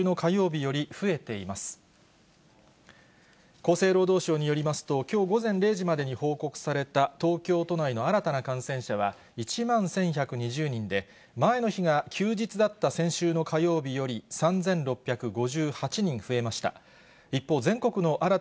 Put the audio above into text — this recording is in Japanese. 厚生労働省によりますと、きょう午前０時までに報告された東京都内の新たな感染者は１万１１２０人で、前の日が休日だった先週の火曜日より、３６５８人増えました。